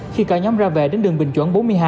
khi cả nhóm ra về đến đường bình chuẩn bốn mươi hai